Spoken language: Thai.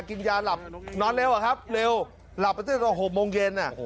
กินยาหลับนอนเร็วเหรอครับเร็วหลับประเทศต่อ๖โมงเย็น